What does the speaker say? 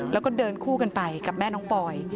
แล้วก็เดินคู่กันไปกับแม่น้องปอย